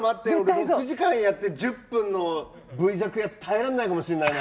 ６時間やって１０分のＶ尺じゃ耐えらんないかもしんないな。